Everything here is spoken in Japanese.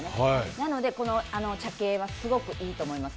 なので、この茶系はすごくいいと思います。